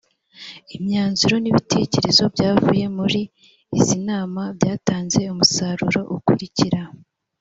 imyanzuro n ibitekerezo byavuye muri izi nama byatanze umusaruro ukurikira